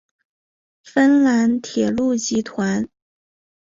芬兰铁路集团。